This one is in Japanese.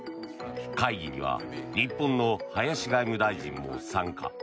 会議には日本の林外務大臣も参加。